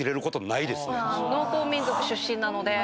農耕民族出身なので。